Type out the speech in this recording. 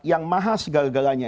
yang maha segalanya